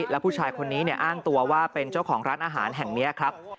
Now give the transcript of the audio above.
แล้วผู้ชายคนนี้อ้างตัวว่าเป็นเจ้าของร้านอาหารแห่งนี้ครับ